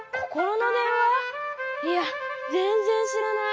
いやぜんぜんしらない。